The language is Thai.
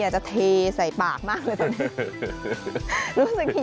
จะเทใส่ปากมากเลยตอนนี้